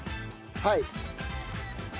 はい。